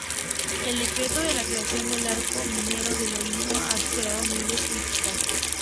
El decreto de creación del Arco minero del Orinoco ha suscitado múltiples críticas.